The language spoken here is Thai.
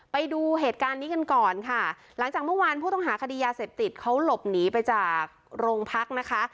ไปดูเหตุการณ์นี้กันก่อนค่ะหลังจากเมื่อวานผู้ต้องหาคดียาเสพติดเขาหลบหนีไปจากโรงพักนะคะ